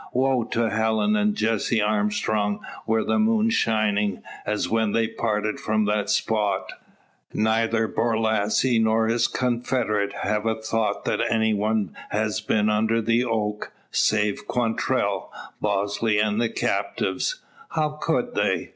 Woe to Helen and Jessie Armstrong were the moon shining, as when they parted from that spot! Neither Borlasse nor his confederate have a thought that any one has been under the oak, save Quantrell, Bosley, and the captives. How could they?